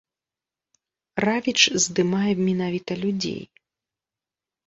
Равіч здымае менавіта людзей.